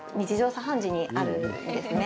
茶飯事にあるんですね。